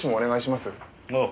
ああ。